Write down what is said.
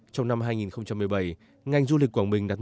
trong năm hai nghìn một mươi bảy ngành du lịch quảng bình đặt mục đích